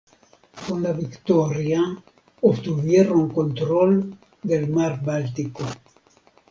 Con la victoria obtuvieron control del mar Báltico.